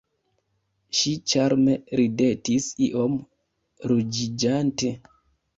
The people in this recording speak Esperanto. Ŝi ĉarme ridetis iom ruĝiĝante.